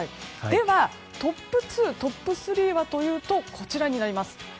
では、トップ２トップ３はというとこちらになります。